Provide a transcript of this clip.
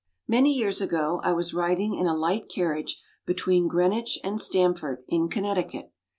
Many years ago I was riding in a light carriage between Greenwich and Stamford, in Connecticut.